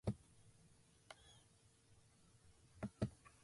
この古風な酒瓢は故郷のものだ。